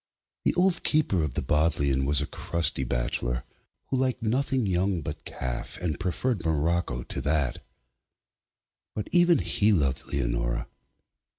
The old Keeper of the Bodleian was a crusty bachelor, who liked nothing young but calf, and preferred morocco to that. But even he loved Leonora.